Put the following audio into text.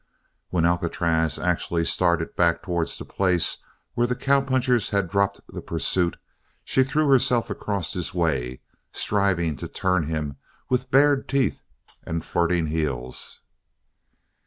When Alcatraz actually started back towards the place where the cowpunchers had dropped the pursuit, she threw herself across his way, striving to turn him with bared teeth and flirting heels.